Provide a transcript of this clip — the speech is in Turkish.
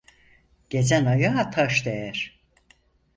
Gezen ayağa taş değer.